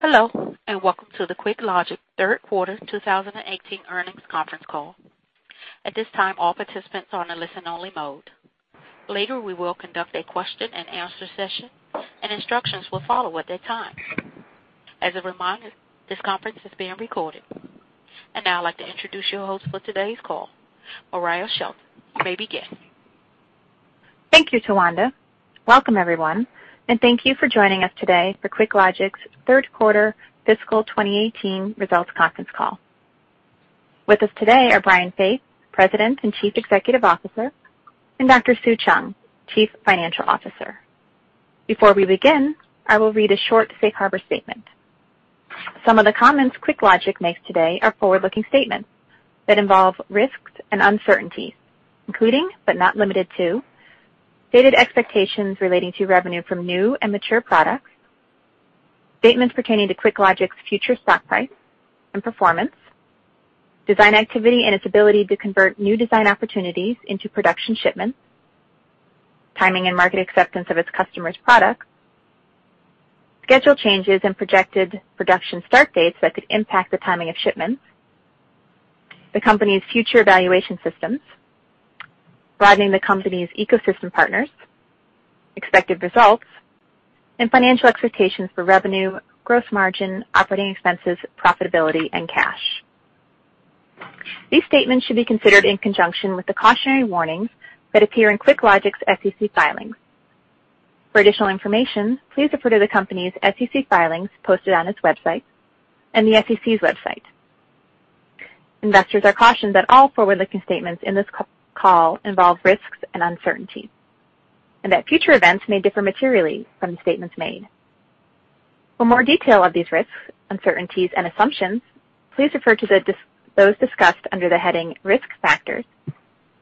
Hello, welcome to the QuickLogic third quarter 2018 earnings conference call. At this time, all participants are on a listen-only mode. Later, we will conduct a question and answer session, and instructions will follow at that time. As a reminder, this conference is being recorded. Now I'd like to introduce your host for today's call. Mariah Shelton, you may begin. Thank you, Tawanda. Welcome everyone, thank you for joining us today for QuickLogic's third quarter fiscal 2018 results conference call. With us today are Brian Faith, President and Chief Executive Officer, and Dr. Sue Cheung, Chief Financial Officer. Before we begin, I will read a short safe harbor statement. Some of the comments QuickLogic makes today are forward-looking statements that involve risks and uncertainties, including, but not limited to, stated expectations relating to revenue from new and mature products, statements pertaining to QuickLogic's future stock price and performance, design activity, and its ability to convert new design opportunities into production shipments, timing and market acceptance of its customers' products, schedule changes and projected production start dates that could impact the timing of shipments, the company's future evaluation systems, broadening the company's ecosystem partners, expected results, and financial expectations for revenue, gross margin, operating expenses, profitability, and cash. These statements should be considered in conjunction with the cautionary warnings that appear in QuickLogic's SEC filings. For additional information, please refer to the company's SEC filings posted on its website and the SEC's website. Investors are cautioned that all forward-looking statements in this call involve risks and uncertainty, that future events may differ materially from the statements made. For more detail of these risks, uncertainties, and assumptions, please refer to those discussed under the heading Risk Factors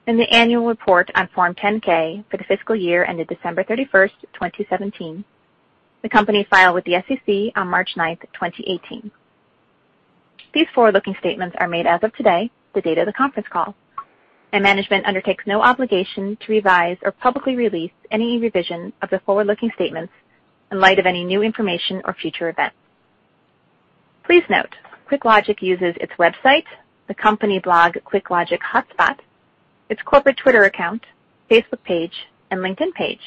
in the annual report on Form 10-K for the fiscal year ended December 31st, 2017, the company filed with the SEC on March 9th, 2018. These forward-looking statements are made as of today, the date of the conference call, management undertakes no obligation to revise or publicly release any revision of the forward-looking statements in light of any new information or future events. Please note, QuickLogic uses its website, the company blog, QuickLogic Blog, its corporate Twitter account, Facebook page, and LinkedIn page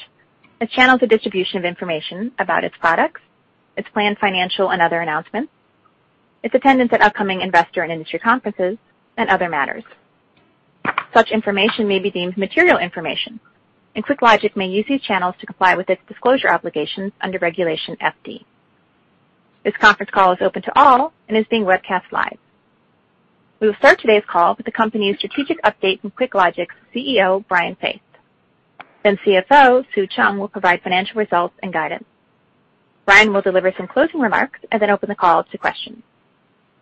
as channels of distribution of information about its products, its planned financial and other announcements, its attendance at upcoming investor and industry conferences, and other matters. Such information may be deemed material information, QuickLogic may use these channels to comply with its disclosure obligations under Regulation FD. This conference call is open to all and is being webcast live. We will start today's call with the company's strategic update from QuickLogic's CEO, Brian Faith. CFO Sue Cheung will provide financial results and guidance. Brian will deliver some closing remarks and then open the call to questions.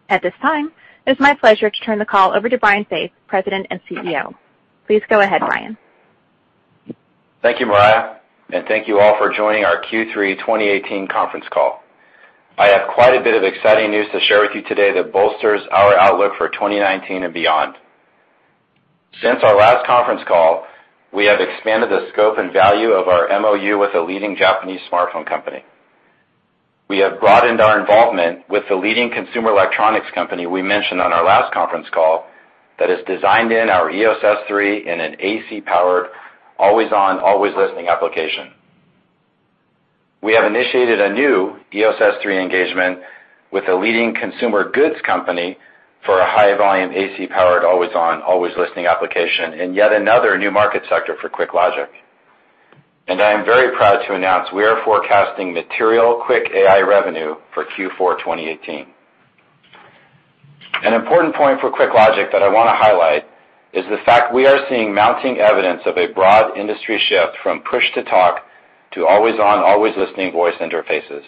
At this time, it is my pleasure to turn the call over to Brian Faith, President and CEO. Please go ahead, Brian. Thank you, Mariah, and thank you all for joining our Q3 2018 conference call. I have quite a bit of exciting news to share with you today that bolsters our outlook for 2019 and beyond. Since our last conference call, we have expanded the scope and value of our MoU with a leading Japanese smartphone company. We have broadened our involvement with the leading consumer electronics company we mentioned on our last conference call that has designed in our EOS S3 in an AC-powered, always-on, always-listening application. We have initiated a new EOS S3 engagement with a leading consumer goods company for a high-volume, AC-powered, always-on, always-listening application in yet another new market sector for QuickLogic. I am very proud to announce we are forecasting material QuickAI revenue for Q4 2018. An important point for QuickLogic that I want to highlight is the fact we are seeing mounting evidence of a broad industry shift from push-to-talk to always-on, always-listening voice interfaces.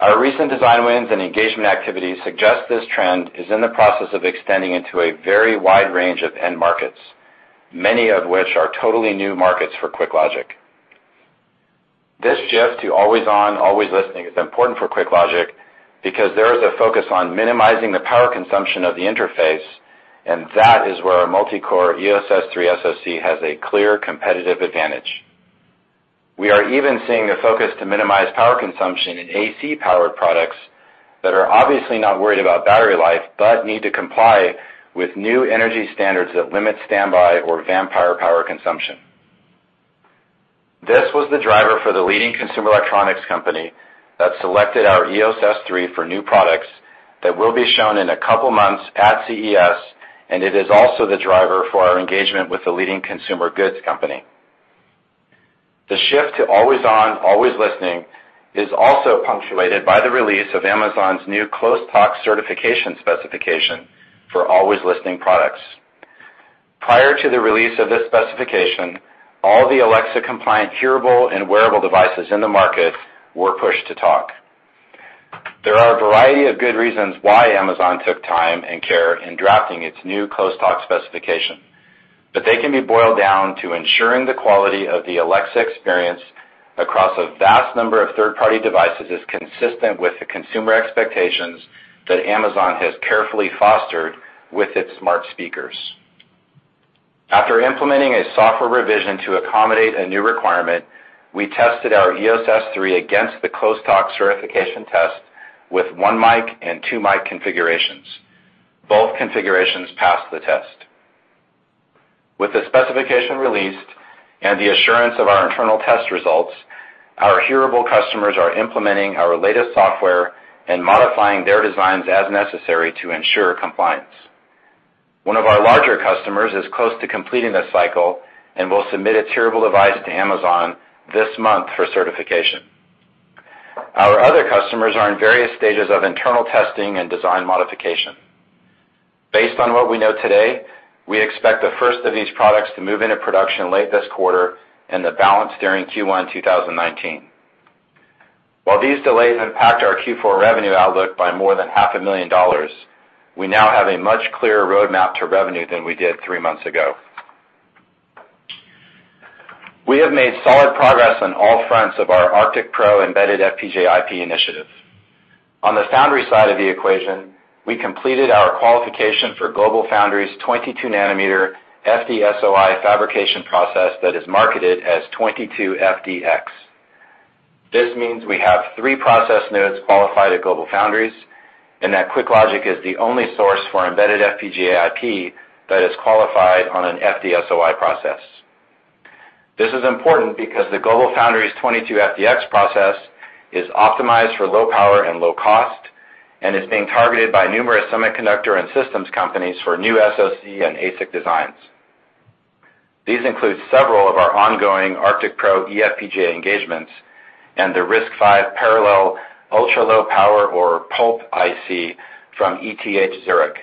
Our recent design wins and engagement activities suggest this trend is in the process of extending into a very wide range of end markets, many of which are totally new markets for QuickLogic. This shift to always-on, always-listening is important for QuickLogic because there is a focus on minimizing the power consumption of the interface, and that is where our multi-core EOS S3 SoC has a clear competitive advantage. We are even seeing a focus to minimize power consumption in AC-powered products that are obviously not worried about battery life but need to comply with new energy standards that limit standby or vampire power consumption. This was the driver for the leading consumer electronics company that selected our EOS S3 for new products that will be shown in a couple of months at CES, it is also the driver for our engagement with the leading consumer goods company. The shift to always-on, always-listening is also punctuated by the release of Amazon's new Close Talk certification specification for always-listening products. Prior to the release of this specification, all the Alexa-compliant hearable and wearable devices in the market were push-to-talk. There are a variety of good reasons why Amazon took time and care in drafting its new Close Talk specification, they can be boiled down to ensuring the quality of the Alexa experience across a vast number of third-party devices is consistent with the consumer expectations that Amazon has carefully fostered with its smart speakers. After implementing a software revision to accommodate a new requirement, we tested our EOS S3 against the Close Talk certification test with one mic and two mic configurations. Both configurations passed the test. With the specification released and the assurance of our internal test results, our hearable customers are implementing our latest software and modifying their designs as necessary to ensure compliance. One of our larger customers is close to completing this cycle and will submit a hearable device to Amazon this month for certification. Our other customers are in various stages of internal testing and design modification. Based on what we know today, we expect the first of these products to move into production late this quarter and the balance during Q1 2019. While these delays impact our Q4 revenue outlook by more than half a million dollars, we now have a much clearer roadmap to revenue than we did three months ago. We have made solid progress on all fronts of our ArcticPro embedded FPGA IP initiative. On the foundry side of the equation, we completed our qualification for GlobalFoundries' 22 nanometer FDSOI fabrication process that is marketed as 22FDX. This means we have 3 process nodes qualified at GlobalFoundries, and that QuickLogic is the only source for embedded FPGA IP that is qualified on an FDSOI process. This is important because the GlobalFoundries 22FDX process is optimized for low power and low cost and is being targeted by numerous semiconductor and systems companies for new SoC and ASIC designs. These include several of our ongoing ArcticPro eFPGA engagements and the RISC-V parallel ultra-low power or PULP IC from ETH Zurich,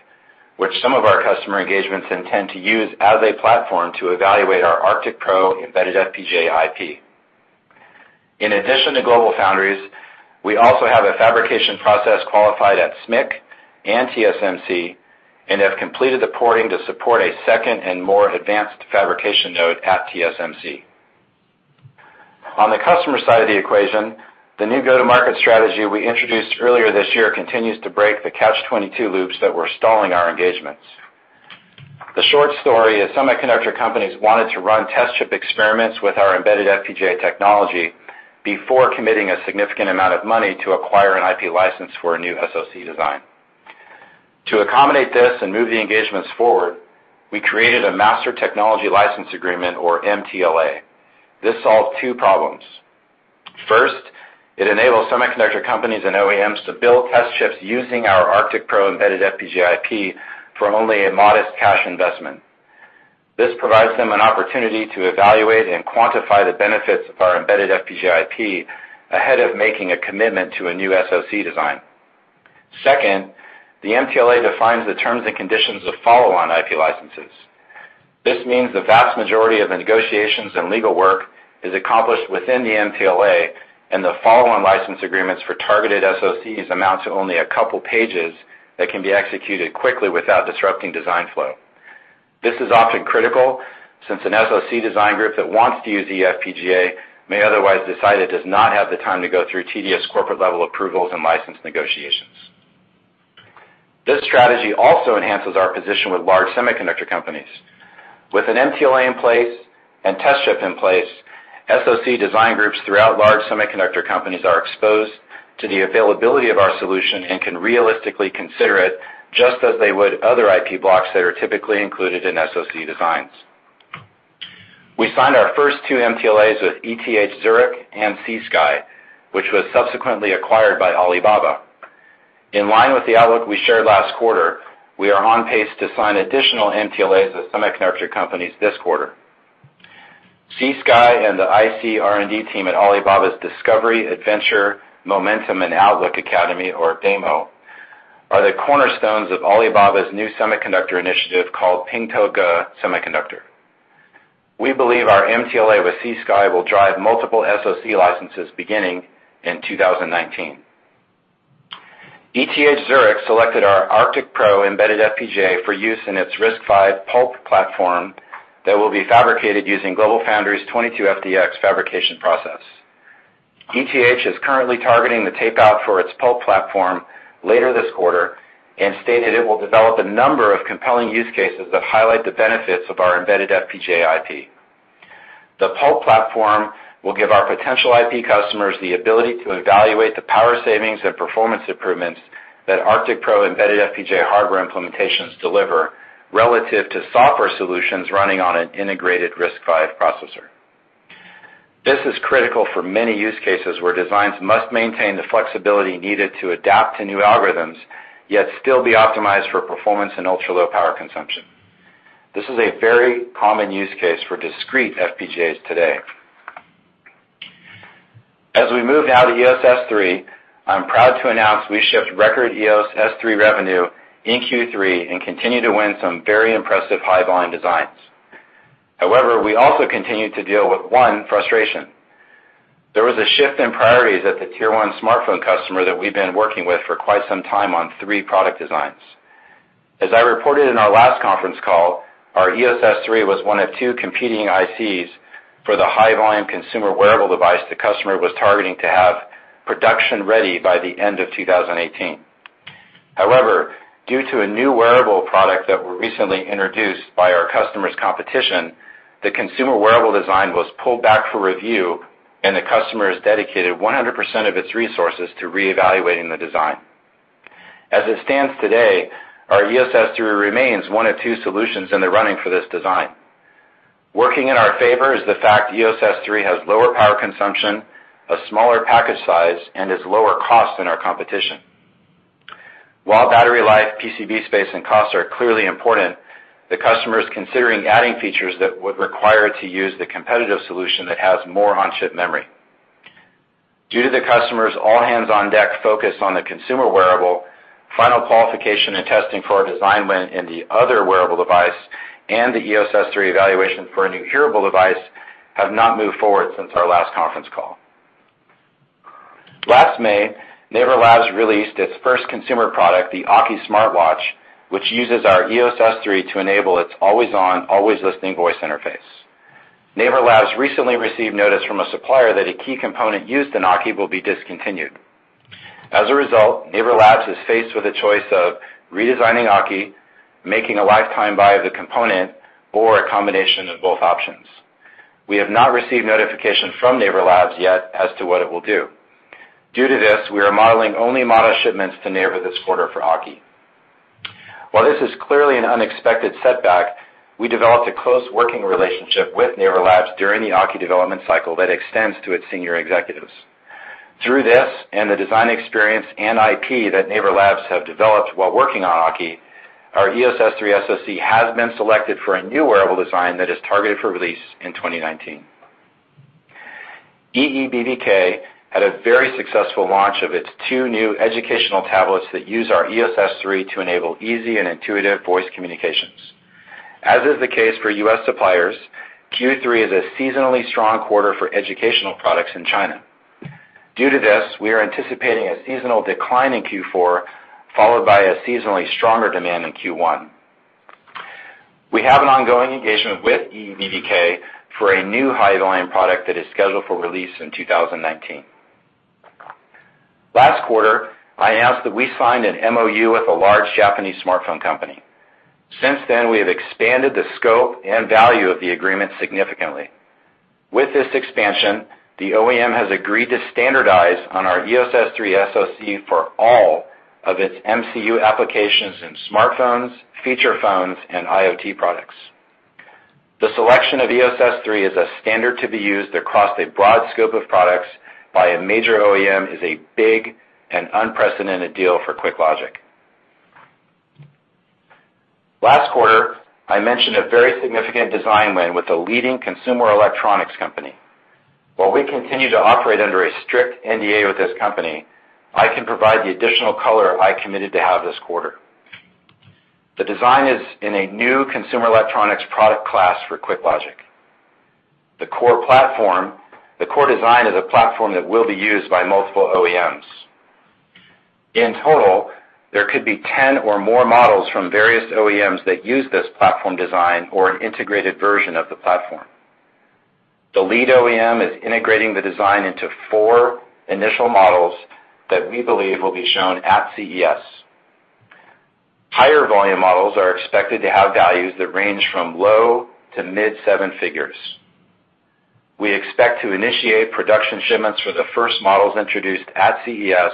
which some of our customer engagements intend to use as a platform to evaluate our ArcticPro embedded FPGA IP. In addition to GlobalFoundries, we also have a fabrication process qualified at SMIC and TSMC and have completed the porting to support a 2nd and more advanced fabrication node at TSMC. On the customer side of the equation, the new go-to-market strategy we introduced earlier this year continues to break the catch-22 loops that were stalling our engagements. The short story is semiconductor companies wanted to run test chip experiments with our embedded FPGA technology before committing a significant amount of money to acquire an IP license for a new SoC design. To accommodate this and move the engagements forward, we created a master technology license agreement or MTLA. This solved two problems. First, it enables semiconductor companies and OEMs to build test chips using our ArcticPro embedded FPGA IP for only a modest cash investment. This provides them an opportunity to evaluate and quantify the benefits of our embedded FPGA IP ahead of making a commitment to a new SoC design. Second, the MTLA defines the terms and conditions of follow-on IP licenses. This means the vast majority of the negotiations and legal work is accomplished within the MTLA, and the follow-on license agreements for targeted SoCs amount to only a couple pages that can be executed quickly without disrupting design flow. This is often critical, since an SoC design group that wants to use eFPGA may otherwise decide it does not have the time to go through tedious corporate-level approvals and license negotiations. This strategy also enhances our position with large semiconductor companies. With an MTLA in place and test chip in place, SoC design groups throughout large semiconductor companies are exposed to the availability of our solution and can realistically consider it, just as they would other IP blocks that are typically included in SoC designs. We signed our first two MTLAs with ETH Zurich and C-Sky Microsystems, which was subsequently acquired by Alibaba. In line with the outlook we shared last quarter, we are on pace to sign additional MTLAs with semiconductor companies this quarter. C-Sky and the IC R&D team at Alibaba's Discovery, Adventure, Momentum, and Outlook Academy, or DAMO, are the cornerstones of Alibaba's new semiconductor initiative called Pingtouge Semiconductor. We believe our MTLA with C-Sky will drive multiple SoC licenses beginning in 2019. ETH Zurich selected our ArcticPro embedded FPGA for use in its RISC-V PULP platform that will be fabricated using GlobalFoundries' 22FDX fabrication process. ETH is currently targeting the tape-out for its PULP platform later this quarter and stated it will develop a number of compelling use cases that highlight the benefits of our embedded FPGA IP. The PULP platform will give our potential IP customers the ability to evaluate the power savings and performance improvements that ArcticPro embedded FPGA hardware implementations deliver relative to software solutions running on an integrated RISC-V processor. This is critical for many use cases where designs must maintain the flexibility needed to adapt to new algorithms, yet still be optimized for performance and ultra-low power consumption. This is a very common use case for discrete FPGAs today. As we move now to EOS S3, I'm proud to announce we shipped record EOS S3 revenue in Q3 and continue to win some very impressive high-volume designs. However, we also continue to deal with one frustration. There was a shift in priorities at the Tier 1 smartphone customer that we've been working with for quite some time on three product designs. As I reported in our last conference call, our EOS S3 was one of two competing ICs for the high-volume consumer wearable device the customer was targeting to have production ready by the end of 2018. However, due to a new wearable product that were recently introduced by our customer's competition, the consumer wearable design was pulled back for review, and the customer has dedicated 100% of its resources to reevaluating the design. As it stands today, our EOS S3 remains one of two solutions in the running for this design. Working in our favor is the fact EOS S3 has lower power consumption, a smaller package size, and is lower cost than our competition. While battery life, PCB space, and costs are clearly important, the customer is considering adding features that would require it to use the competitive solution that has more on-chip memory. Due to the customer's all-hands-on-deck focus on the consumer wearable, final qualification and testing for our design win in the other wearable device and the EOS S3 evaluation for a new hearable device have not moved forward since our last conference call. Last May, Naver Labs released its first consumer product, the AKI smartwatch, which uses our EOS S3 to enable its always-on, always-listening voice interface. Naver Labs recently received notice from a supplier that a key component used in AKI will be discontinued. As a result, Naver Labs is faced with a choice of redesigning AKI, making a lifetime buy of the component, or a combination of both options. We have not received notification from Naver Labs yet as to what it will do. Due to this, we are modeling only modest shipments to Naver this quarter for AKI. While this is clearly an unexpected setback, we developed a close working relationship with Naver Labs during the AKI development cycle that extends to its senior executives. Through this and the design experience and IP that Naver Labs have developed while working on AKI, our EOS S3 SoC has been selected for a new wearable design that is targeted for release in 2019. EEBVK had a very successful launch of its two new educational tablets that use our EOS S3 to enable easy and intuitive voice communications. As is the case for U.S. suppliers, Q3 is a seasonally strong quarter for educational products in China. Due to this, we are anticipating a seasonal decline in Q4, followed by a seasonally stronger demand in Q1. We have an ongoing engagement with EEBVK for a new high-volume product that is scheduled for release in 2019. Last quarter, I announced that we signed an MoU with a large Japanese smartphone company. Since then, we have expanded the scope and value of the agreement significantly. With this expansion, the OEM has agreed to standardize on our EOS S3 SoC for all of its MCU applications in smartphones, feature phones, and IoT products. The selection of EOS S3 as a standard to be used across a broad scope of products by a major OEM is a big and unprecedented deal for QuickLogic. Last quarter, I mentioned a very significant design win with a leading consumer electronics company. While we continue to operate under a strict NDA with this company, I can provide the additional color I committed to have this quarter. The design is in a new consumer electronics product class for QuickLogic. The core design is a platform that will be used by multiple OEMs. In total, there could be 10 or more models from various OEMs that use this platform design or an integrated version of the platform. The lead OEM is integrating the design into four initial models that we believe will be shown at CES. Higher volume models are expected to have values that range from $low to mid-seven figures. We expect to initiate production shipments for the first models introduced at CES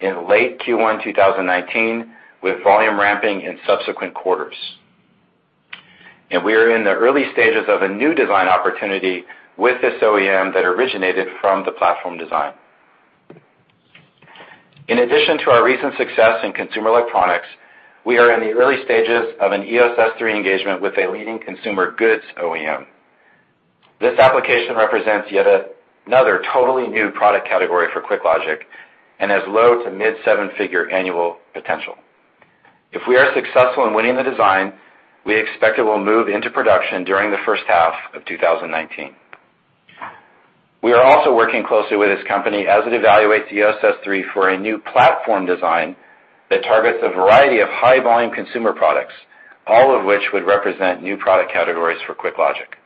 in late Q1 2019, with volume ramping in subsequent quarters. We are in the early stages of a new design opportunity with this OEM that originated from the platform design. In addition to our recent success in consumer electronics, we are in the early stages of an EOS S3 engagement with a leading consumer goods OEM. This application represents yet another totally new product category for QuickLogic and has $low to mid-seven-figure annual potential. If we are successful in winning the design, we expect it will move into production during the first half of 2019. We are also working closely with this company as it evaluates EOS S3 for a new platform design that targets a variety of high-volume consumer products, all of which would represent new product categories for QuickLogic.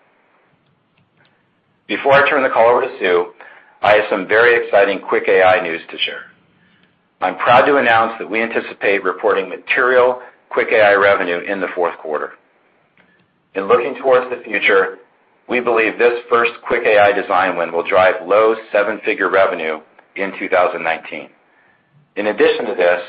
Before I turn the call over to Sue, I have some very exciting QuickAI news to share. I'm proud to announce that we anticipate reporting material QuickAI revenue in the fourth quarter. In looking towards the future, we believe this first QuickAI design win will drive $low seven-figure revenue in 2019. In addition to this,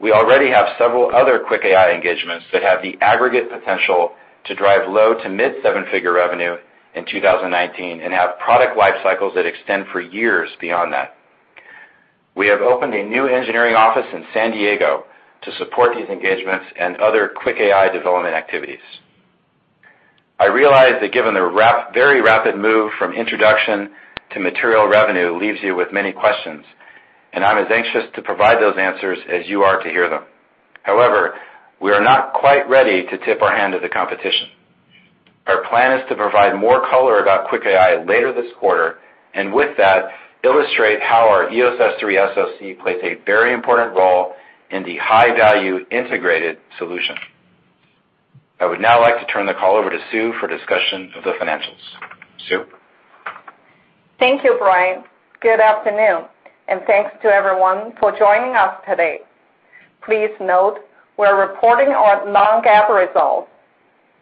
we already have several other QuickAI engagements that have the aggregate potential to drive $low to mid seven-figure revenue in 2019 and have product life cycles that extend for years beyond that. We have opened a new engineering office in San Diego to support these engagements and other QuickAI development activities. I realize that given the very rapid move from introduction to material revenue leaves you with many questions, and I'm as anxious to provide those answers as you are to hear them. However, we are not quite ready to tip our hand to the competition. Our plan is to provide more color about QuickAI later this quarter, and with that, illustrate how our EOS S3 SoC plays a very important role in the high-value integrated solution. I would now like to turn the call over to Sue for discussion of the financials. Sue? Thank you, Brian. Good afternoon, and thanks to everyone for joining us today. Please note we're reporting our non-GAAP results.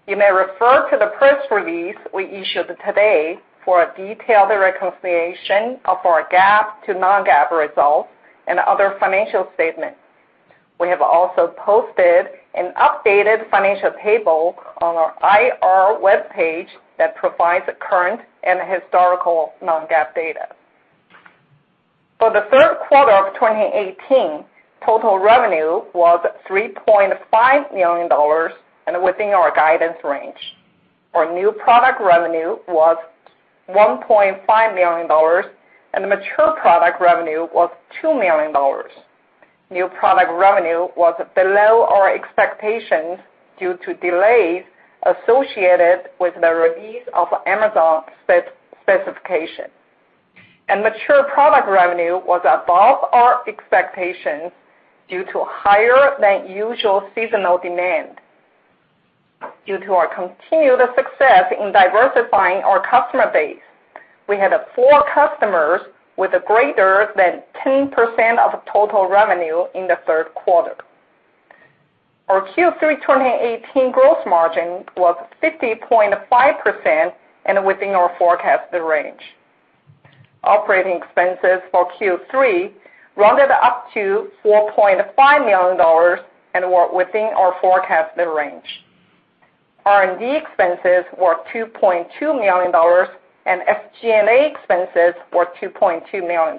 You may refer to the press release we issued today for a detailed reconciliation of our GAAP to non-GAAP results and other financial statements. We have also posted an updated financial table on our IR webpage that provides current and historical non-GAAP data. For the third quarter of 2018, total revenue was $3.5 million and within our guidance range. Our new product revenue was $1.5 million, and mature product revenue was $2 million. New product revenue was below our expectations due to delays associated with the release of Amazon specifications. Mature product revenue was above our expectations due to higher than usual seasonal demand. Due to our continued success in diversifying our customer base, we had four customers with greater than 10% of total revenue in the third quarter. Our Q3 2018 gross margin was 50.5% and within our forecasted range. Operating expenses for Q3 rounded up to $4.5 million and were within our forecasted range. R&D expenses were $2.2 million, and SG&A expenses were $2.2 million.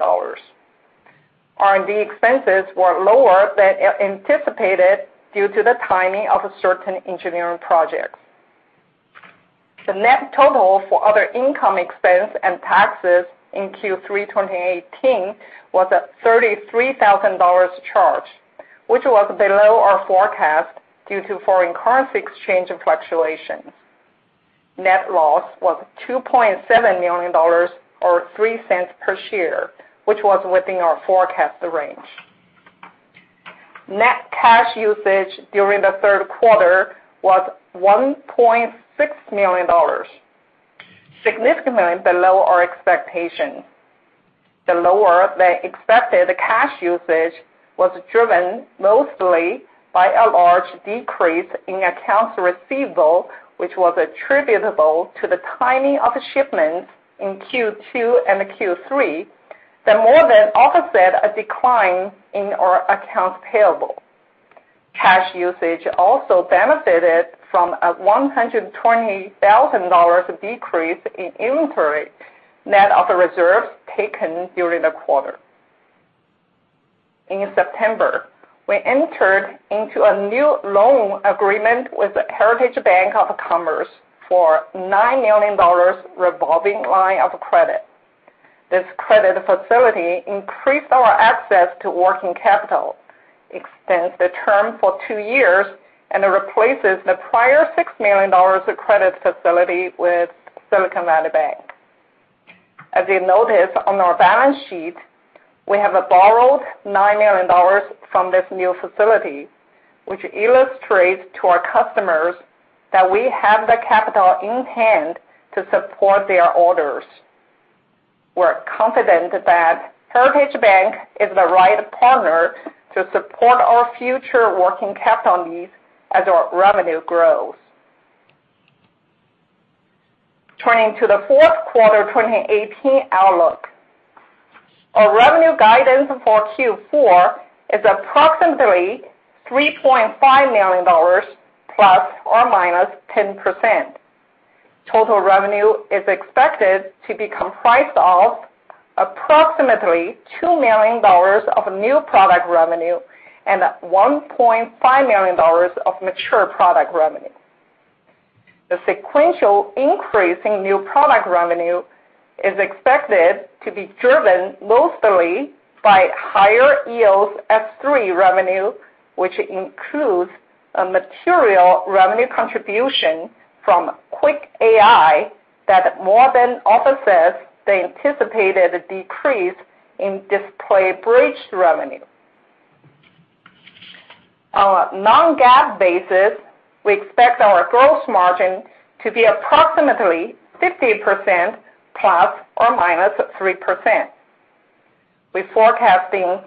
R&D expenses were lower than anticipated due to the timing of certain engineering projects. The net total for other income expense and taxes in Q3 2018 was a $33,000 charge, which was below our forecast due to foreign currency exchange fluctuations. Net loss was $2.7 million, or $0.03 per share, which was within our forecasted range. Net cash usage during the third quarter was $1.6 million, significantly below our expectations. The lower than expected cash usage was driven mostly by a large decrease in accounts receivable, which was attributable to the timing of shipments in Q2 and Q3 that more than offset a decline in our accounts payable. Cash usage also benefited from a $120,000 decrease in inventory, net of reserves taken during the quarter. In September, we entered into a new loan agreement with Heritage Bank of Commerce for a $9 million revolving line of credit. This credit facility increased our access to working capital, extends the term for two years, and it replaces the prior $6 million credit facility with Silicon Valley Bank. As you notice on our balance sheet, we have borrowed $9 million from this new facility, which illustrates to our customers that we have the capital in hand to support their orders. We're confident that Heritage Bank is the right partner to support our future working capital needs as our revenue grows. Turning to the fourth quarter 2018 outlook. Our revenue guidance for Q4 is approximately $3.5 million ±10%. Total revenue is expected to be comprised of approximately $2 million of new product revenue and $1.5 million of mature product revenue. The sequential increase in new product revenue is expected to be driven mostly by higher EOS S3 revenue, which includes a material revenue contribution from QuickAI that more than offsets the anticipated decrease in DisplayBridge revenue. On a non-GAAP basis, we expect our gross margin to be approximately 50% ±3%. We are forecasting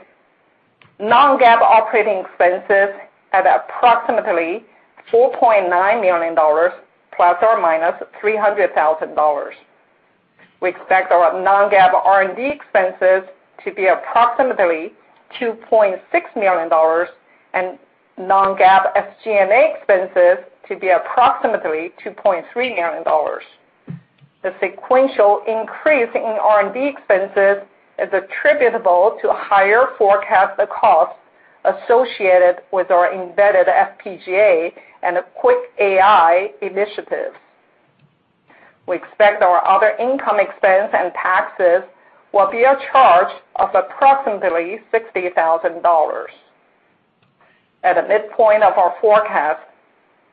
non-GAAP operating expenses at approximately $4.9 million ±$300,000. We expect our non-GAAP R&D expenses to be approximately $2.6 million and non-GAAP SG&A expenses to be approximately $2.3 million. The sequential increase in R&D expenses is attributable to higher forecasted costs associated with our embedded FPGA and QuickAI initiatives. We expect our other income expense and taxes will be a charge of approximately $60,000. At the midpoint of our forecast,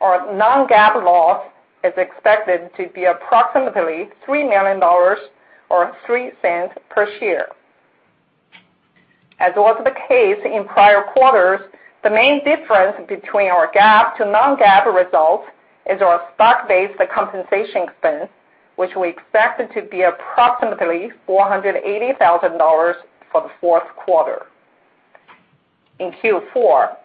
our non-GAAP loss is expected to be approximately $3 million, or $0.03 per share. As was the case in prior quarters, the main difference between our GAAP to non-GAAP results is our stock-based compensation expense, which we expect to be approximately $480,000 for the fourth quarter. In Q4,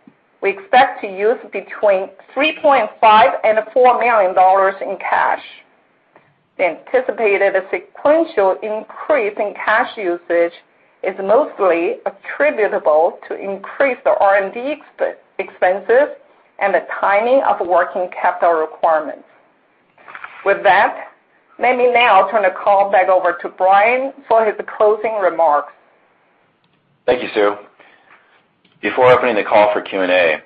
we expect to use between $3.5 million and $4 million in cash. The anticipated sequential increase in cash usage is mostly attributable to increased R&D expenses and the timing of working capital requirements. With that, let me now turn the call back over to Brian for his closing remarks. Thank you, Sue. Before opening the call for Q&A, I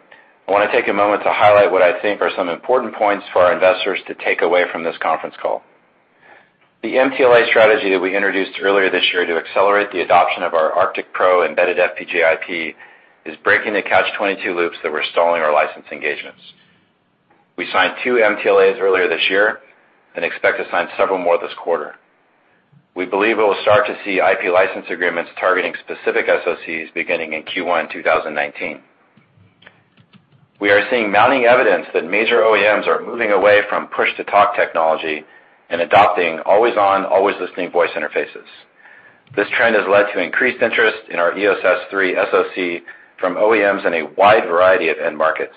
want to take a moment to highlight what I think are some important points for our investors to take away from this conference call. The MTLA strategy that we introduced earlier this year to accelerate the adoption of our ArcticPro embedded FPGA IP is breaking the catch-22 loops that were stalling our license engagements. We signed 2 MTLAs earlier this year and expect to sign several more this quarter. We believe we will start to see IP license agreements targeting specific SoCs beginning in Q1 2019. We are seeing mounting evidence that major OEMs are moving away from push-to-talk technology and adopting always-on, always-listening voice interfaces. This trend has led to increased interest in our EOS S3 SoC from OEMs in a wide variety of end markets.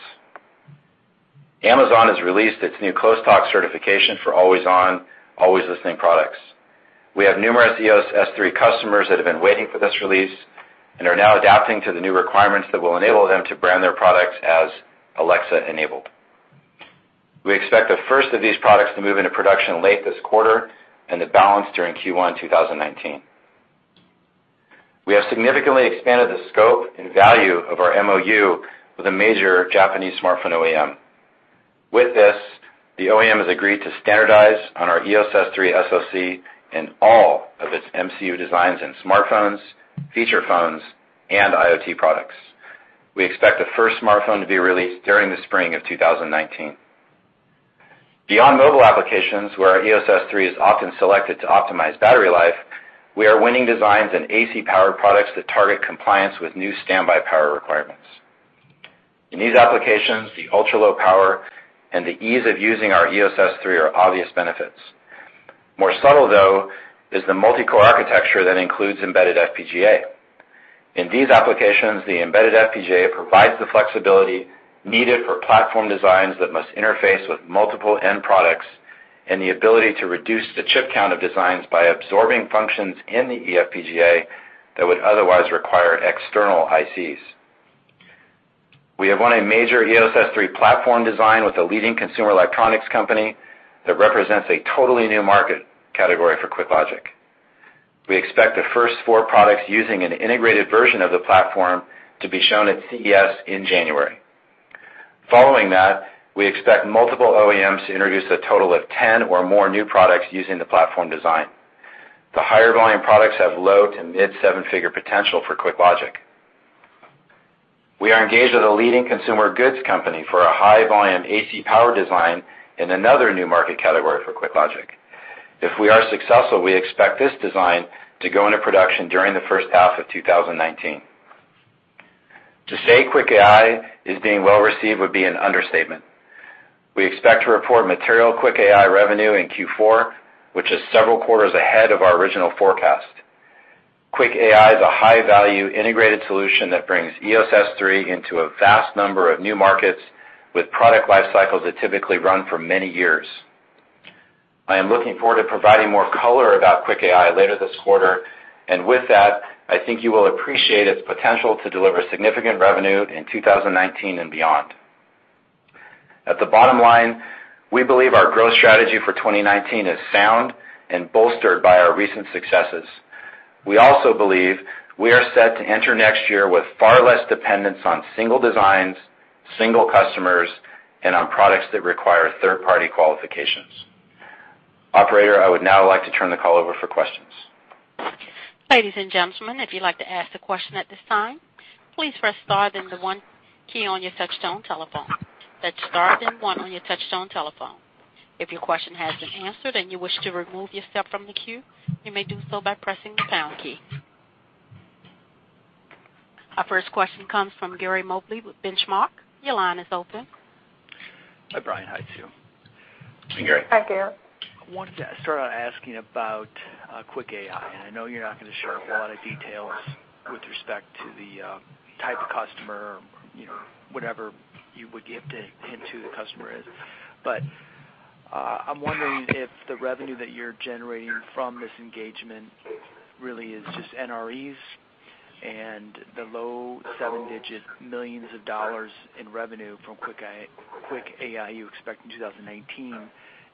Amazon has released its new Close Talk certification for always-on, always-listening products. We have numerous EOS S3 customers that have been waiting for this release and are now adapting to the new requirements that will enable them to brand their products as Alexa-enabled. We expect the first of these products to move into production late this quarter and the balance during Q1 2019. We have significantly expanded the scope and value of our MoU with a major Japanese smartphone OEM. With this, the OEM has agreed to standardize on our EOS S3 SoC in all of its MCU designs in smartphones, feature phones, and IoT products. We expect the first smartphone to be released during the spring of 2019. Beyond mobile applications, where our EOS S3 is often selected to optimize battery life, we are winning designs in AC power products that target compliance with new standby power requirements. In these applications, the ultra-low power and the ease of using our EOS S3 are obvious benefits. More subtle, though, is the multi-core architecture that includes embedded FPGA. In these applications, the embedded FPGA provides the flexibility needed for platform designs that must interface with multiple end products and the ability to reduce the chip count of designs by absorbing functions in the eFPGA that would otherwise require external ICs. We have won a major EOS S3 platform design with a leading consumer electronics company that represents a totally new market category for QuickLogic. We expect the first four products using an integrated version of the platform to be shown at CES in January. Following that, we expect multiple OEMs to introduce a total of 10 or more new products using the platform design. The higher-volume products have low to mid-seven-figure potential for QuickLogic. We are engaged with a leading consumer goods company for a high-volume AC power design in another new market category for QuickLogic. If we are successful, we expect this design to go into production during the first half of 2019. To say QuickAI is being well-received would be an understatement. We expect to report material QuickAI revenue in Q4, which is several quarters ahead of our original forecast. QuickAI is a high-value integrated solution that brings EOS S3 into a vast number of new markets with product life cycles that typically run for many years. I am looking forward to providing more color about QuickAI later this quarter. With that, I think you will appreciate its potential to deliver significant revenue in 2019 and beyond. At the bottom line, we believe our growth strategy for 2019 is sound and bolstered by our recent successes. We also believe we are set to enter next year with far less dependence on single designs, single customers, and on products that require third-party qualifications. Operator, I would now like to turn the call over for questions. Ladies and gentlemen, if you'd like to ask a question at this time, please press star, then the one key on your touchtone telephone. That's star, then one on your touchtone telephone. If your question has been answered and you wish to remove yourself from the queue, you may do so by pressing the pound key. Our first question comes from Gary Mobley with Benchmark. Your line is open. Hi, Brian. Hi, Sue. Hey, Gary. Hi, Gary. I wanted to start out asking about QuickAI, and I know you're not going to share a lot of details with respect to the type of customer, whatever you would give hint to who the customer is. I'm wondering if the revenue that you're generating from this engagement really is just NREs and the low seven-digit millions of dollars in revenue from QuickAI you expect in 2019.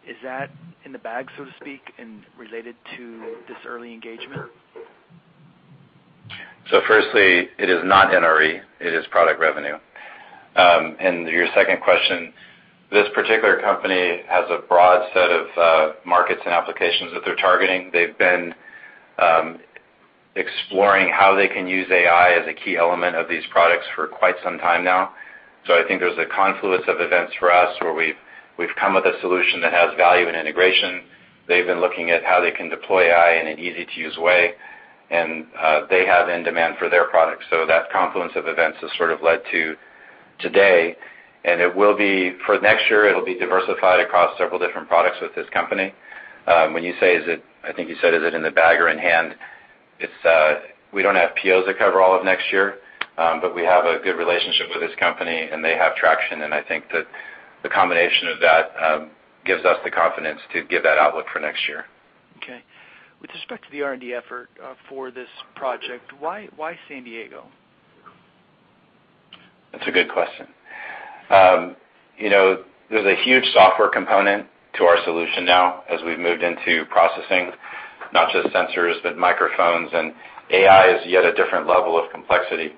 Is that in the bag, so to speak, and related to this early engagement? Firstly, it is not NRE. It is product revenue. To your second question, this particular company has a broad set of markets and applications that they're targeting. They've been exploring how they can use AI as a key element of these products for quite some time now. I think there's a confluence of events for us where we've come with a solution that has value and integration. They've been looking at how they can deploy AI in an easy-to-use way, and they have end demand for their products. That confluence of events has sort of led to today, and for next year, it'll be diversified across several different products with this company. When you say, I think you said, is it in the bag or in hand? We don't have POs that cover all of next year, we have a good relationship with this company, and they have traction, and I think that the combination of that gives us the confidence to give that outlook for next year. Okay. With respect to the R&D effort for this project, why San Diego? That's a good question. There's a huge software component to our solution now as we've moved into processing not just sensors, but microphones, and AI is yet a different level of complexity.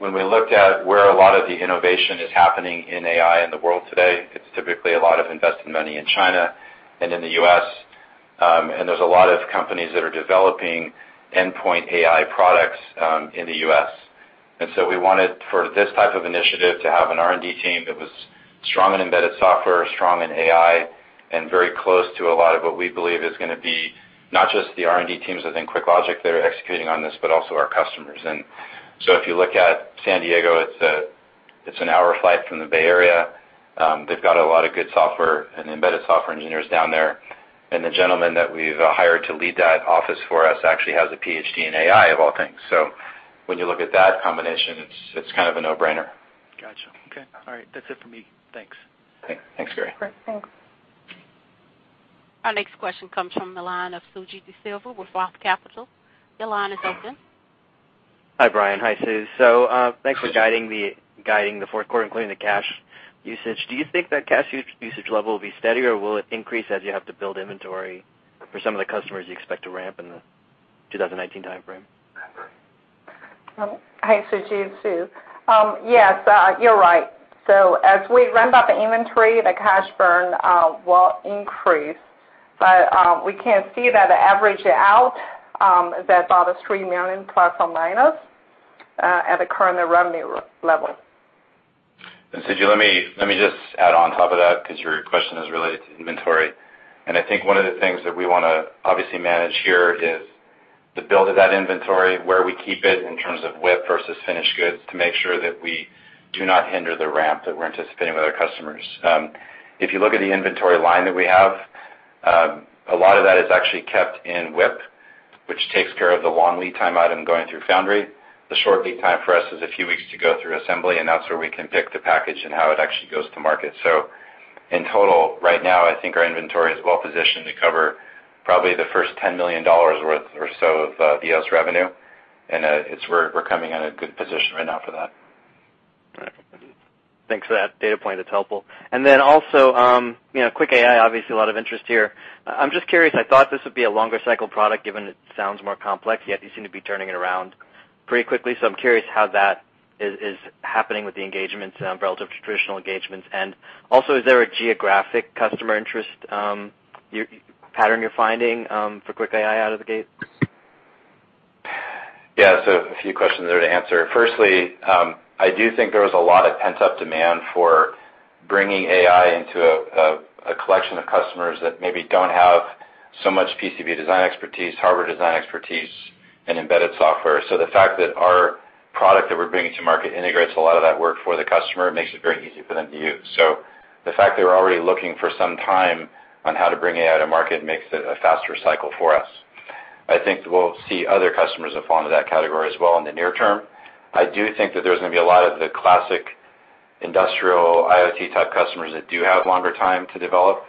When we looked at where a lot of the innovation is happening in AI in the world today, it's typically a lot of invested money in China and in the U.S., and there's a lot of companies that are developing endpoint AI products in the U.S. We wanted for this type of initiative to have an R&D team that was strong in embedded software, strong in AI, and very close to a lot of what we believe is going to be, not just the R&D teams within QuickLogic that are executing on this, but also our customers. If you look at San Diego, it's an hour flight from the Bay Area. They've got a lot of good software and embedded software engineers down there. The gentleman that we've hired to lead that office for us actually has a PhD in AI, of all things. When you look at that combination, it's kind of a no-brainer. Got you. Okay. All right. That's it for me. Thanks. Thanks, Gary. Great. Thanks. Our next question comes from the line of Suji Desilva with ROTH Capital. Your line is open. Hi, Brian. Hi, Sue. Thanks for guiding the fourth quarter, including the cash usage. Do you think that cash usage level will be steady, or will it increase as you have to build inventory for some of the customers you expect to ramp in the 2019 timeframe? Hi, Suji. It's Sue. Yes, you're right. As we ramp up the inventory, the cash burn will increase. We can see that average out, that about a $3 million plus or minus, at the current revenue level. Suji, let me just add on top of that because your question is related to inventory. I think one of the things that we want to obviously manage here is the build of that inventory, where we keep it in terms of WIP versus finished goods, to make sure that we do not hinder the ramp that we're anticipating with our customers. If you look at the inventory line that we have, a lot of that is actually kept in WIP, which takes care of the long lead time item going through foundry. The short lead time for us is a few weeks to go through assembly, and that's where we can pick the package and how it actually goes to market. In total, right now, I think our inventory is well-positioned to cover probably the first $10 million worth or so of EOS revenue, and we're coming at a good position right now for that. Right. Thanks for that data point. That's helpful. Also, QuickAI, obviously a lot of interest here. I'm just curious, I thought this would be a longer cycle product, given it sounds more complex, yet you seem to be turning it around pretty quickly. I'm curious how that is happening with the engagements relative to traditional engagements. Also, is there a geographic customer interest pattern you're finding for QuickAI out of the gate? Yeah. A few questions there to answer. Firstly, I do think there was a lot of pent-up demand for bringing AI into a collection of customers that maybe don't have so much PCB design expertise, hardware design expertise, and embedded software. The fact that our product that we're bringing to market integrates a lot of that work for the customer makes it very easy for them to use. The fact they were already looking for some time on how to bring AI to market makes it a faster cycle for us. I think we'll see other customers that fall into that category as well in the near term. I do think that there's going to be a lot of the classic industrial IoT-type customers that do have longer time to develop,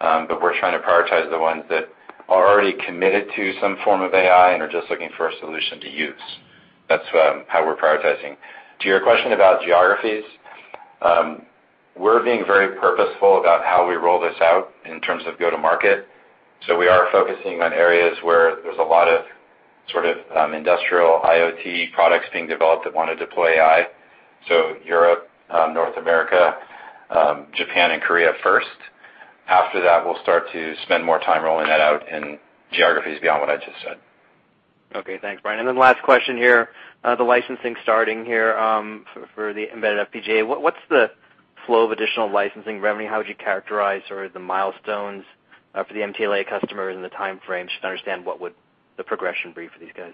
but we're trying to prioritize the ones that are already committed to some form of AI and are just looking for a solution to use. That's how we're prioritizing. To your question about geographies, we're being very purposeful about how we roll this out in terms of go-to-market. We are focusing on areas where there's a lot of industrial IoT products being developed that want to deploy AI. Europe, North America, Japan, and Korea first. After that, we'll start to spend more time rolling that out in geographies beyond what I just said. Okay. Thanks, Brian. Last question here. The licensing starting here, for the embedded FPGA. What's the flow of additional licensing revenue? How would you characterize sort of the milestones for the MTLA customers and the timeframes, just to understand what would the progression be for these guys?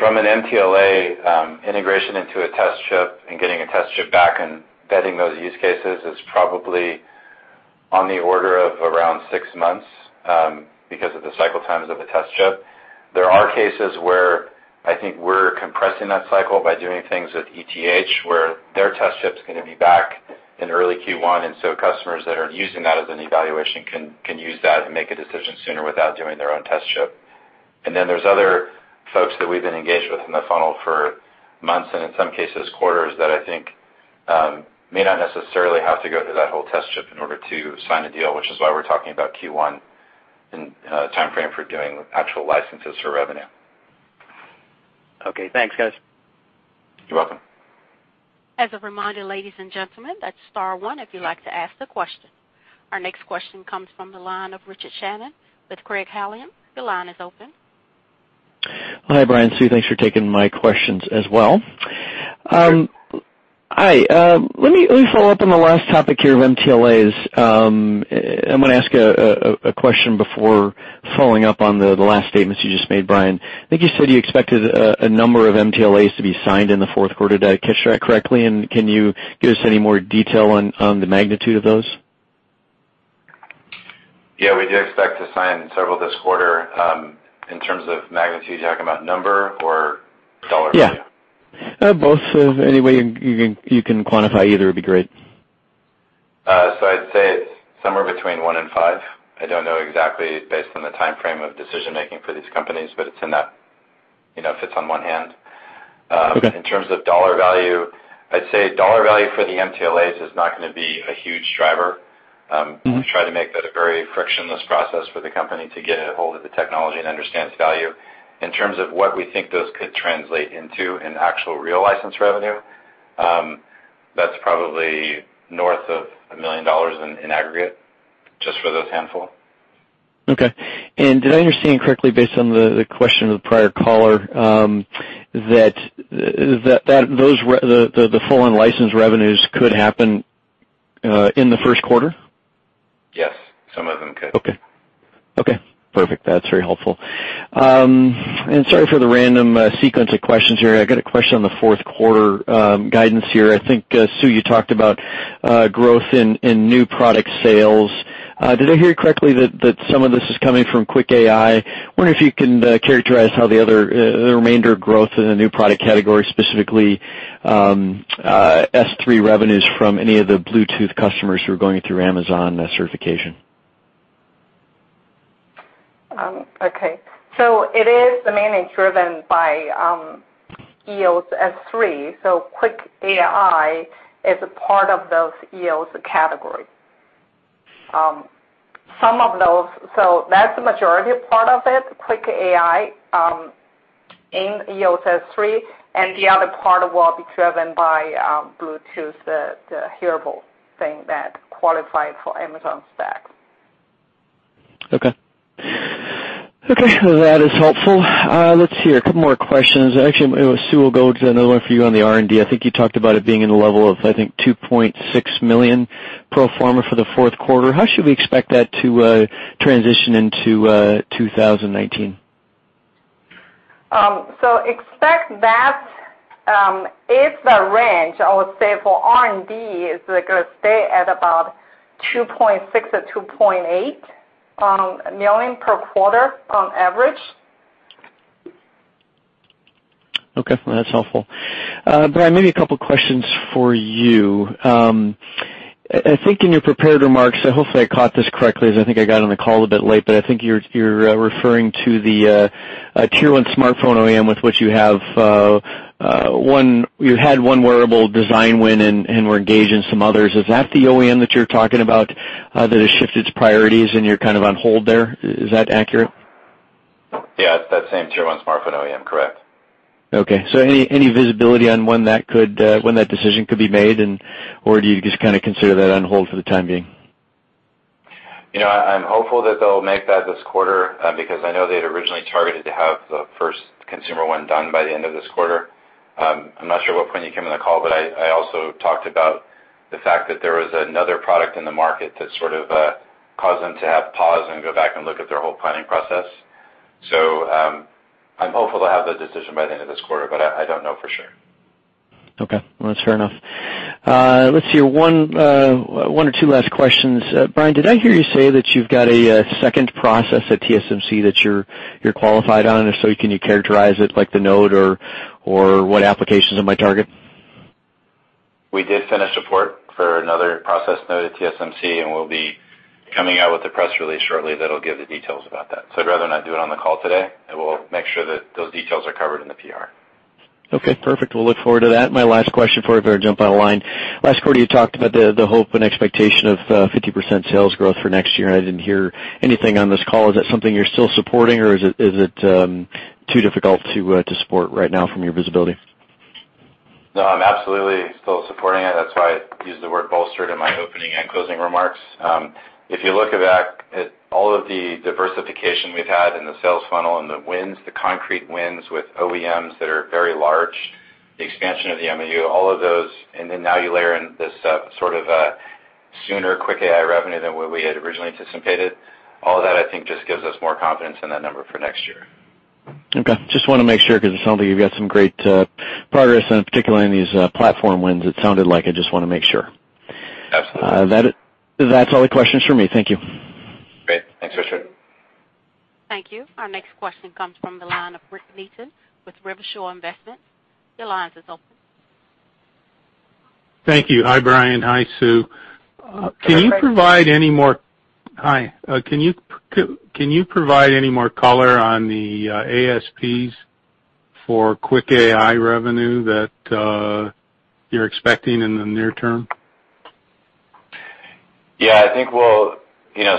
From an MTLA integration into a test chip and getting a test chip back and vetting those use cases is probably on the order of around six months because of the cycle times of a test chip. There are cases where I think we're compressing that cycle by doing things with ETH, where their test chip's going to be back in early Q1. Customers that are using that as an evaluation can use that and make a decision sooner without doing their own test chip. There's other folks that we've been engaged with in the funnel for months, and in some cases, quarters, that I think may not necessarily have to go through that whole test chip in order to sign a deal, which is why we're talking about Q1 timeframe for doing actual licenses for revenue. Okay. Thanks, guys. You're welcome. As a reminder, ladies and gentlemen, that's star one if you'd like to ask the question. Our next question comes from the line of Richard Shannon with Craig-Hallum. Your line is open. Hi, Brian, Sue. Thanks for taking my questions as well. Sure. Hi. Let me follow up on the last topic here of MTLAs. I'm going to ask a question before following up on the last statements you just made, Brian. I think you said you expected a number of MTLAs to be signed in the fourth quarter. Did I catch that correctly? Can you give us any more detail on the magnitude of those? Yeah, we do expect to sign several this quarter. In terms of magnitude, you talking about number or dollar value? Yeah. Both. Any way you can quantify either would be great. I'd say it's somewhere between one and five. I don't know exactly based on the timeframe of decision-making for these companies, but it's in that, fits on one hand. Okay. In terms of dollar value, I'd say dollar value for the MTLAs is not going to be a huge driver. We try to make that a very frictionless process for the company to get a hold of the technology and understand its value. In terms of what we think those could translate into in actual real license revenue, that's probably north of $1 million in aggregate just for those handful. Okay. Did I understand correctly, based on the question of the prior caller, that the full line license revenues could happen in the first quarter? Yes, some of them could. Okay. Perfect. That's very helpful. Sorry for the random sequence of questions here. I got a question on the fourth quarter guidance here. I think, Sue, you talked about growth in new product sales. Did I hear correctly that some of this is coming from QuickAI? Wondering if you can characterize how the remainder growth in the new product category, specifically S3 revenues from any of the Bluetooth customers who are going through Amazon certification. Okay. It is mainly driven by EOS S3, QuickAI is a part of those EOS category. That's the majority part of it, QuickAI in EOS S3, and the other part will be driven by Bluetooth, the hearable thing that qualifies for Amazon's stack. Okay. That is helpful. Let's see here, a couple more questions. Actually, Sue, we'll go to another one for you on the R&D. I think you talked about it being in the level of, I think, $2.6 million pro forma for the fourth quarter. How should we expect that to transition into 2019? Expect that it's a range, I would say, for R&D is going to stay at about $2.6 million or $2.8 million per quarter on average. Okay. That's helpful. Brian, maybe a couple questions for you. I think in your prepared remarks, hopefully I caught this correctly as I think I got on the call a bit late, but I think you're referring to the tier 1 smartphone OEM with which you had one wearable design win and were engaged in some others. Is that the OEM that you're talking about that has shifted its priorities and you're kind of on hold there? Is that accurate? Yeah, that same tier 1 smartphone OEM. Correct. Okay. Any visibility on when that decision could be made and, or do you just kind of consider that on hold for the time being? I'm hopeful that they'll make that this quarter, because I know they'd originally targeted to have the first consumer one done by the end of this quarter. I'm not sure what point you came in the call, but I also talked about the fact that there was another product in the market that sort of caused them to have pause and go back and look at their whole planning process. I'm hopeful they'll have that decision by the end of this quarter, but I don't know for sure. Okay. Well, that's fair enough. Let's see here, one or two last questions. Brian, did I hear you say that you've got a second process at TSMC that you're qualified on? If so, can you characterize it, like the node or what applications are your target? We did send a support for another process node at TSMC, and we'll be coming out with the press release shortly that'll give the details about that. I'd rather not do it on the call today, and we'll make sure that those details are covered in the PR. Okay, perfect. We'll look forward to that. My last question for you, I've got to jump on a line. Last quarter, you talked about the hope and expectation of 50% sales growth for next year. I didn't hear anything on this call. Is that something you're still supporting or is it too difficult to support right now from your visibility? No, I'm absolutely still supporting it. That's why I used the word bolstered in my opening and closing remarks. If you look back at all of the diversification we've had in the sales funnel and the wins, the concrete wins with OEMs that are very large, the expansion of the MU, all of those. Now you layer in this sort of sooner QuickAI revenue than what we had originally anticipated. All of that, I think, just gives us more confidence in that number for next year. Okay. Just want to make sure because it sounds like you've got some great progress in, particularly in these platform wins, it sounded like. I just want to make sure. Absolutely. That's all the questions for me. Thank you. Great. Thanks, Richard. Thank you. Our next question comes from the line of Rick Neaton with RiverShores Investment. Your line is open. Thank you. Hi, Brian. Hi, Sue. Hi, Rick. Hi. Can you provide any more color on the ASPs for QuickAI revenue that you're expecting in the near term? Yeah,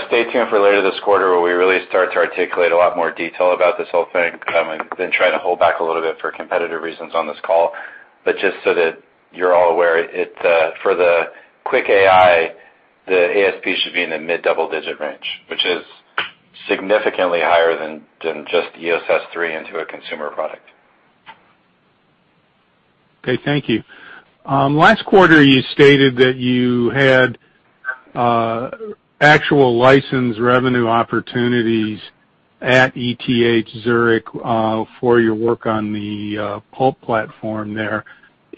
Stay tuned for later this quarter where we really start to articulate a lot more detail about this whole thing. I've been trying to hold back a little bit for competitive reasons on this call, just so that you're all aware, for the QuickAI, the ASP should be in the mid-double digit range, which is significantly higher than just EOS S3 into a consumer product. Okay, thank you. Last quarter, you stated that you had actual license revenue opportunities at ETH Zurich for your work on the PULP platform there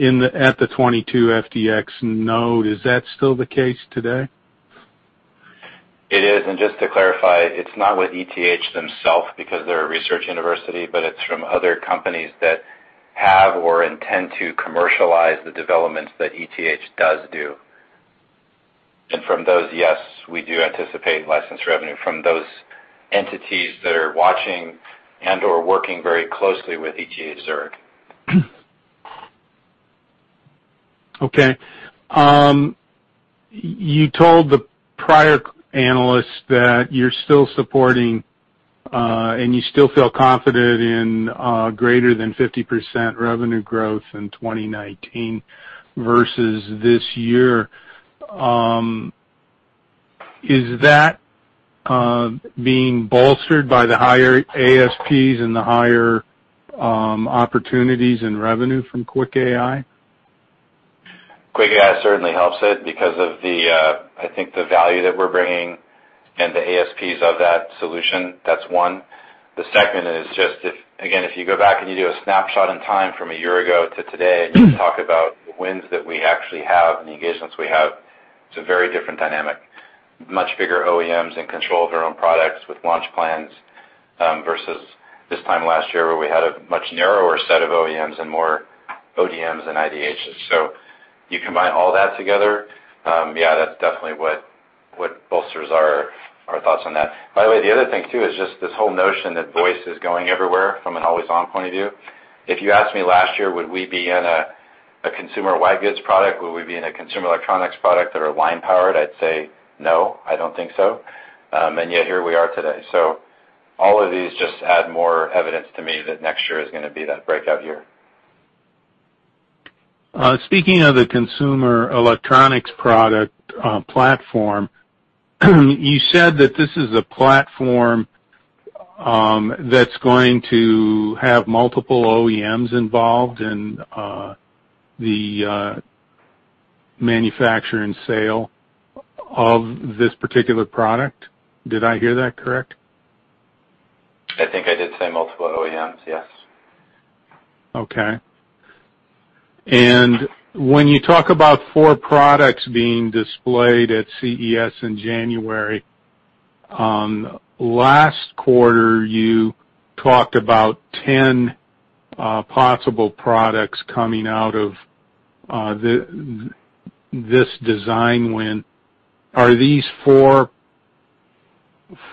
at the 22FDX node. Is that still the case today? It is. Just to clarify, it's not with ETH themselves because they're a research university, it's from other companies that have or intend to commercialize the developments that ETH does do. From those, yes, we do anticipate license revenue from those entities that are watching and/or working very closely with ETH Zurich. Okay. You told the prior analysts that you're still supporting, and you still feel confident in, greater than 50% revenue growth in 2019 versus this year. Is that being bolstered by the higher ASPs and the higher opportunities in revenue from QuickAI? QuickAI certainly helps it because of, I think, the value that we're bringing and the ASPs of that solution. That's one. The second is just, again, if you go back and you do a snapshot in time from a year ago to today and you talk about the wins that we actually have and the engagements we have, it's a very different dynamic. Much bigger OEMs in control of their own products with launch plans, versus this time last year where we had a much narrower set of OEMs and more ODMs and IDHs. You combine all that together, yeah, that's definitely what bolsters our thoughts on that. By the way, the other thing, too, is just this whole notion that voice is going everywhere from an always-on point of view. If you asked me last year, would we be in a consumer white goods product, would we be in a consumer electronics product that are line powered, I'd say, "No, I don't think so." Yet, here we are today. All of these just add more evidence to me that next year is going to be that breakout year. Speaking of the consumer electronics product platform, you said that this is a platform that's going to have multiple OEMs involved in the manufacture and sale of this particular product. Did I hear that correct? I think I did say multiple OEMs, yes. Okay. When you talk about four products being displayed at CES in January, last quarter, you talked about 10 possible products coming out of this design win. Are these four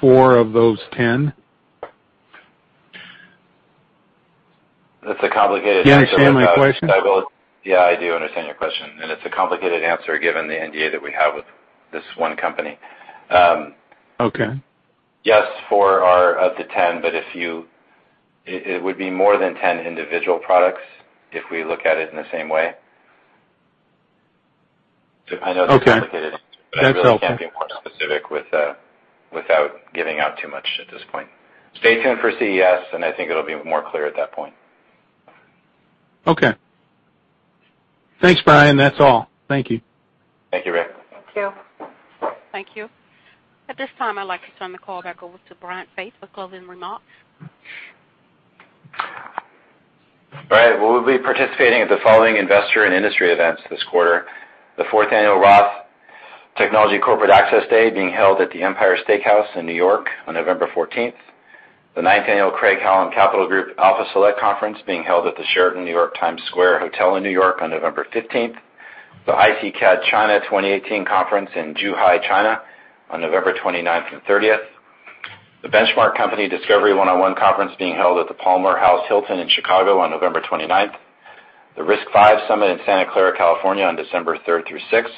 of those 10? That's a complicated answer without- Do you understand my question? Yeah, I do understand your question. It's a complicated answer given the NDA that we have with this one company. Okay. Yes, four are of the 10. It would be more than 10 individual products if we look at it in the same way. I know that's complicated. Okay. That's helpful. I really can't be more specific without giving out too much at this point. Stay tuned for CES, and I think it'll be more clear at that point. Okay. Thanks, Brian. That's all. Thank you. Thank you, Rick. Thank you. Thank you. At this time, I'd like to turn the call back over to Brian Faith for closing remarks. All right. Well, we'll be participating at the following investor and industry events this quarter. The fourth annual ROTH Technology Corporate Access Day, being held at the Empire Steakhouse in New York on November 14th. The ninth annual Craig-Hallum Capital Group Alpha Select Conference, being held at the Sheraton New York Times Square Hotel in New York on November 15th. The ICCAD China 2018 conference in Zhuhai, China on November 29th and 30th. The Benchmark Company Discovery One-on-One Conference, being held at the Palmer House Hilton in Chicago on November 29th. The RISC-V Summit in Santa Clara, California on December 3rd through 6th.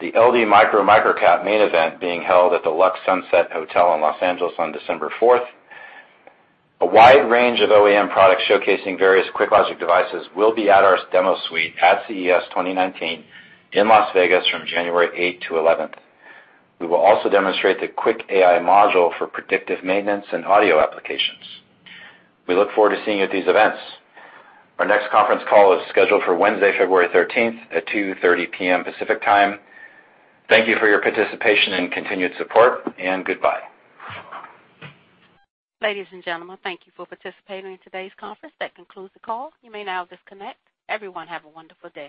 The LD Micro MicroCap Main Event, being held at the Luxe Sunset Boulevard Hotel in Los Angeles on December 4th. A wide range of OEM products showcasing various QuickLogic devices will be at our demo suite at CES 2019 in Las Vegas from January 8 to 11th. We will also demonstrate the QuickAI module for predictive maintenance and audio applications. We look forward to seeing you at these events. Our next conference call is scheduled for Wednesday, February 13th at 2:30 P.M. Pacific Time. Thank you for your participation and continued support, and goodbye. Ladies and gentlemen, thank you for participating in today's conference. That concludes the call. You may now disconnect. Everyone, have a wonderful day.